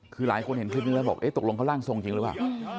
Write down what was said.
คือหลายคนเห็นคลิปนี้แล้วบอกตกลงเขาร่างทรงจริงหรือเปล่า